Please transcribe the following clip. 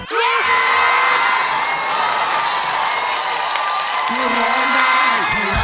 เยี่ยมครับ